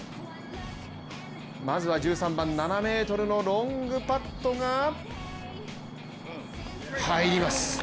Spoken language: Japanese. まずは１３番７ｍのロングパットが入ります！